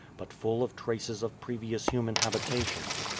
33 but full of traces of previous human habitation.